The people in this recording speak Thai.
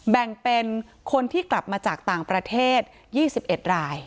แบ่งเป็นคนที่กลับมาจากต่างประเทศ๒๑ราย